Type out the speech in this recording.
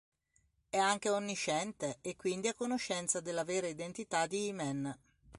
È anche onnisciente, e quindi a conoscenza della vera identità di He-Man.